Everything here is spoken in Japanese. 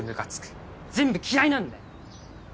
全部嫌いなんだよ！